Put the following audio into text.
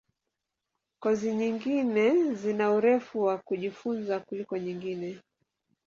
Kozi nyingine zina urefu wa kujifunza kuliko nyingine.